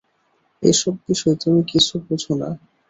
এ-সব বিষয় তুমি কিছু বোঝ না।